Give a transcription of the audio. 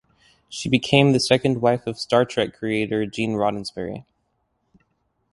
She became the second wife of "Star Trek" creator Gene Roddenberry.